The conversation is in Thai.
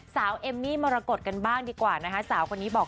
เอมมี่มรกฏกันบ้างดีกว่านะคะสาวคนนี้บอก